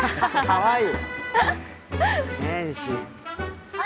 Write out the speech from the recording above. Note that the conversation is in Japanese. かわいい。